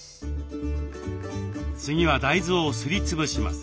次は大豆をすり潰します。